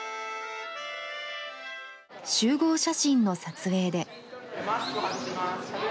集合写真の撮影で。